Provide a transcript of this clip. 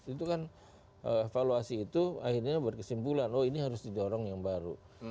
itu kan evaluasi itu akhirnya berkesimpulan oh ini harus didorong yang baru